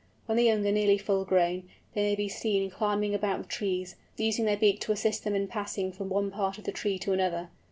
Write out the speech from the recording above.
When the young are nearly full grown, they may be seen climbing about the trees, using their beak to assist them in passing from one part of the tree to another.